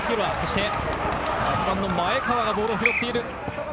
８番の前川がボールを拾っている。